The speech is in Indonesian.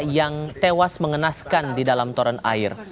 yang tewas mengenaskan di dalam toron air